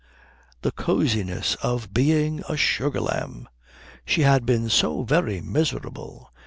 The cosiness of being a Sugar Lamb! She had been so very miserable.